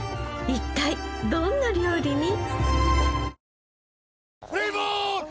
一体どんな料理に？